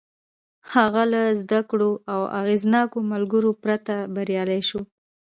هغه له زدهکړو او اغېزناکو ملګرو پرته بريالی شو.